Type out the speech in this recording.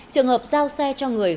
trường hợp giao xe cho người